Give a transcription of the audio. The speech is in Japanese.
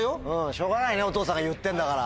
しょうがないねお父さんが言ってんだから。